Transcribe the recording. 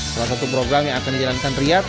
salah satu program yang akan dijalankan riyad